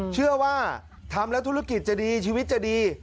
เชื่อว่าทำแล้วธุรกิจจะดีชีวิตจะดี